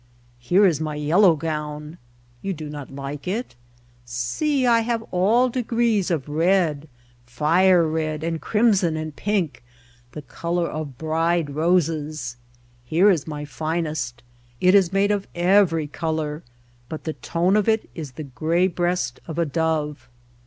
Here is my yellow gown. You do not like it? See, I have all degrees of red, fire red and crimson and pink, the color of bride roses. Here is my finest. It is made of every color, but the tone of it is the gray breast of a dove.